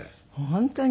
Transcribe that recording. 本当に？